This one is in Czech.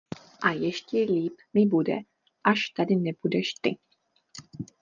A ještě líp mi bude, až tady nebudeš ty.